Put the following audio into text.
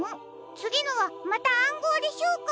つぎのはまたあんごうでしょうか？